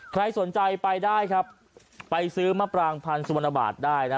ใครสนใจไปได้ครับไปซื้อมะปรางพันธ์สุวรรณบาทได้นะ